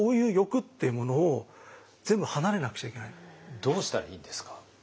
どうしたらいいんですか？